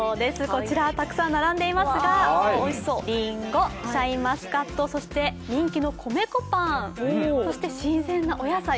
こちらたくさん並んでいますが、りんご、シャインマスカット、そして人気の米粉パンそして新鮮なお野菜。